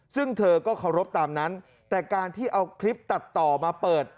ซึ่งเธอก็เคารพตามนั้นแต่การที่เอาคลิปตัดต่อมาเปิด